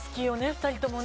２人ともね。